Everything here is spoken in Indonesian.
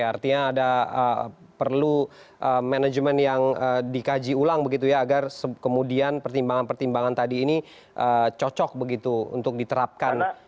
artinya ada perlu manajemen yang dikaji ulang begitu ya agar kemudian pertimbangan pertimbangan tadi ini cocok begitu untuk diterapkan